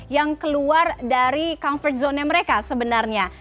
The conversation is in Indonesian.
yang keluar dari comfort zone nya mereka sebenarnya